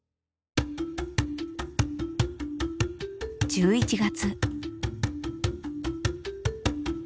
１１月。